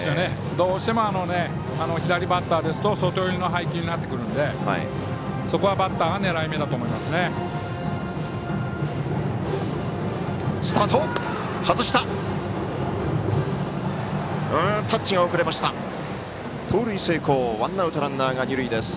どうしても左バッターですと外寄りの配球になってくるのでそこは、バッターが狙い目だと思います。